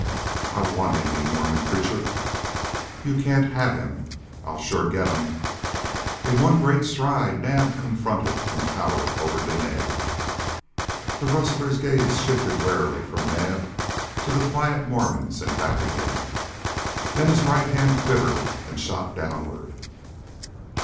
"I want him, you Mormon preacher!" "You can't have him." "I'll shore get him." In one great stride Naab confronted and towered over Dene. The rustler's gaze shifted warily from Naab to the quiet Mormons and back again. Then his right hand quivered and shot downward.